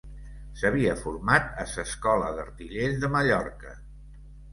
S'havia format a s'escola d'artillers de Mallorca.